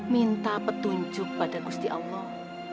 minta petunjuk pada gusti allah